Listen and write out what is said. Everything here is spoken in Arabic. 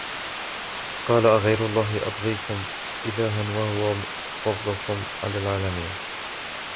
قال أغير الله أبغيكم إلها وهو فضلكم على العالمين